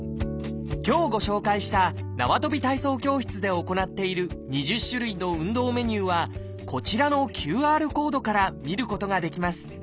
今日ご紹介したなわとび体操教室で行っている２０種類の運動メニューはこちらのＱＲコードから見ることができます。